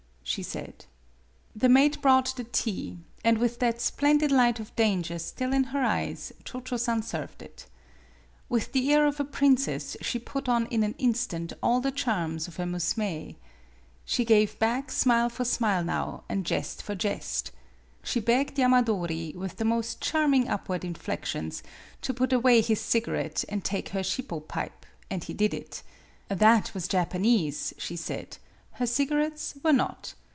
" she said. The maid brought the tea; and with that splendid light of danger still in her eyes, Cho Cho San served it. With the air of a princess she put on in an instant all the charms of a mousmee. She gave back smile for smile now, and jest for jest. She begged Yamadori, with the most charming upward inflections, to put away his cigarette and take her shippo pipe, and he did it. That was Japanese, she said, her cigarettes were not.